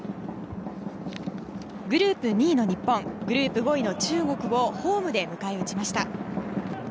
グループ２位の日本グループ５位の中国をホームで迎え撃ちました。